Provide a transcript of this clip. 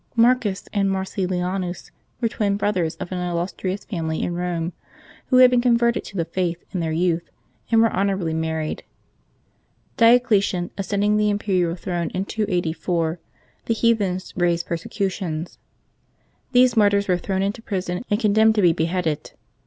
yjXARCTJs AND Marcellianus were twin brothers of an >M illustrious family in Rome, who had been converted to the Faith in their youth and were honorably married. Diocletian ascending the imperial throne in 284, the heathens raised persecutions. These martyrs were thrown into prison, and condemned to be beheaded.